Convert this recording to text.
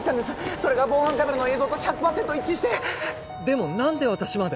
それが防犯カメラの映像と１００パーセント一致してでも何で私まで？